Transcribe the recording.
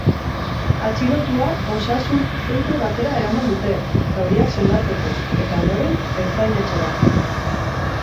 Atxilotua osasun zentro batera eraman dute, zauriak sendatzeko, eta ondoren ertzain-etxera.